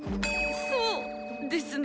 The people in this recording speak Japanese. そうですね。